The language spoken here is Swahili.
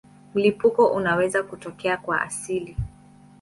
Mlipuko unaweza kutokea kwa asili.